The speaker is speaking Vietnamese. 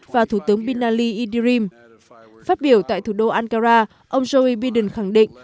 và thủ tướng bin ali idrim phát biểu tại thủ đô ankara ông joey biden khẳng định